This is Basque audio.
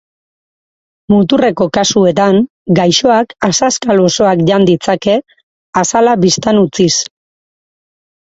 Muturreko kasuetan gaixoak azazkal osoak jan ditzake, azala bistan utziz.